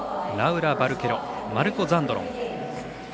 ラウラ・バルケロマルコ・ザンドロン。